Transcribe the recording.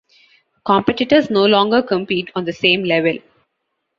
Competitors no longer compete on the same level.